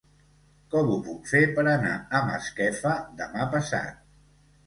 Com ho puc fer per anar a Masquefa demà passat?